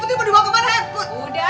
eh dewa dewa putri itu berdua kemana